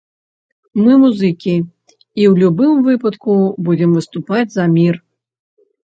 Мы музыкі, і ў любым выпадку будзем выступаць за мір.